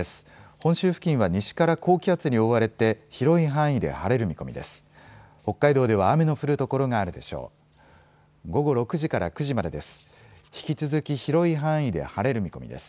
本州付近は西から高気圧に覆われて、広い範囲で晴れる見込みです。